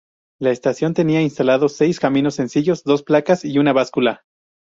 La estación tenía instalados seis cambios sencillos, dos placas y una báscula.